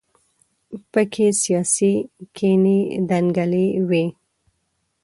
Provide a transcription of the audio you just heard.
په کې سیاسي کینې دنګلې وي.